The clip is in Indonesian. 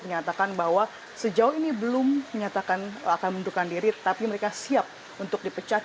menyatakan bahwa sejauh ini belum menyatakan akan mundurkan diri tapi mereka siap untuk dipecat